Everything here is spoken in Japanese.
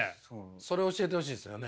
それを教えてほしいですよね。